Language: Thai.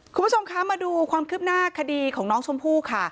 คุณผู้ชมคะมาดูความคืบหน้าคดีของน้องชมพู่ค่ะ